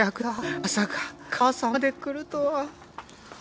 まさか母さんまで来るとは